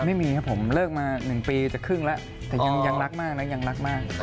ไม่มีครับผมเลิกมา๑ปีจะครึ่งแล้วแต่ยังรักมากนะยังรักมาก